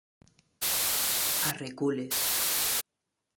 A recules.